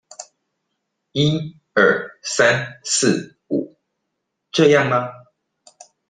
一二三四五，這樣嗎？